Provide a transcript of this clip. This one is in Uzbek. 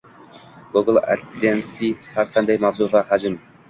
Google adsense har qanday mavzu va hajm